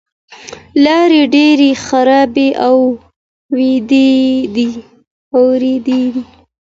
لارې ډېرې خرابې او اوږدې دي.